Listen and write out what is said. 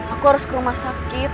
aku harus ke rumah sakit